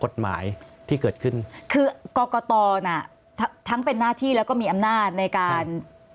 กฎหมายที่เกิดขึ้นคือกรกตน่ะทั้งเป็นหน้าที่แล้วก็มีอำนาจในการ